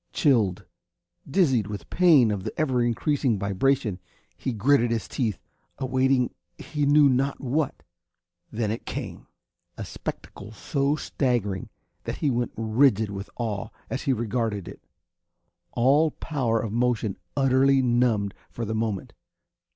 Chilled, dizzied with the pain of the ever increasing vibration, he gritted his teeth, awaiting he knew not what. Then it came a spectacle so staggering that he went rigid with awe as he regarded it, all power of motion utterly numbed for the moment.